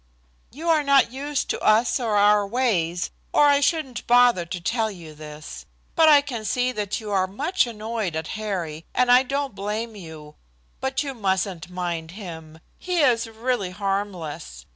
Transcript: "You are not used to us or our ways, or I shouldn't bother to tell you this. But I can see that you are much annoyed at Harry, and I don't blame you. But you mustn't mind him. He is really harmless.